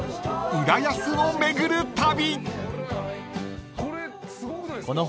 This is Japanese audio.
浦安を巡る旅］